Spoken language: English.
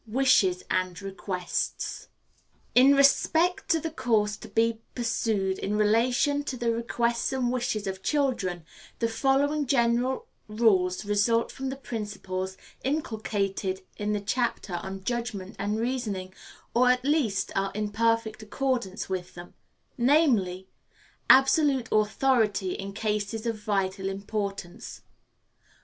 WISHES AND REQUESTS. In respect to the course to be pursued in relation to the requests and wishes of children, the following general rules result from the principles inculcated in the chapter on Judgment and Reasoning, or, at least, are in perfect accordance with them namely: Absolute Authority in Cases of vital Importance.